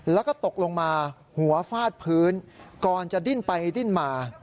แล้วก็ตกลงมาหัวฟาดพื้นก่อนจะดิ้นไปดิ้นมา